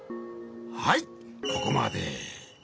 はいここまで。